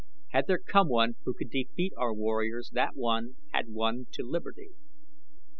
Had there come one who could defeat our warriors that one had won to liberty."